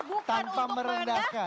tapi bukan untuk merendahkan